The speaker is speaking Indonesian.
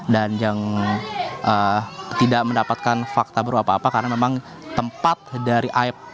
dan yang tidak mendapatkan fakta baru apa apa karena memang tempat dari aib